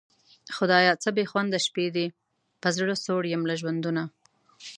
خدایه څه بېخونده شپې دي په زړه سوړ یم له ژوندونه